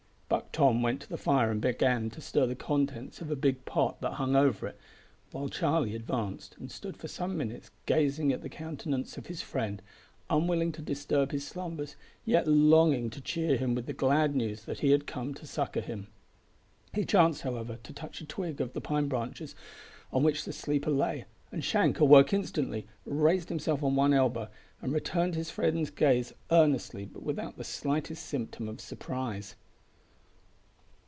Buck Tom went to the fire and began to stir the contents of a big pot that hung over it, while Charlie advanced and stood for some minutes gazing at the countenance of his friend, unwilling to disturb his slumbers, yet longing to cheer him with the glad news that he had come to succour him. He chanced, however, to touch a twig of the pine branches on which the sleeper lay, and Shank awoke instantly, raised himself on one elbow, and returned his friend's gaze earnestly, but without the slightest symptom of surprise.